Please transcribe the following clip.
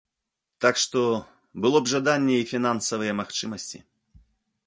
Так што, было б жаданне і фінансавыя магчымасці.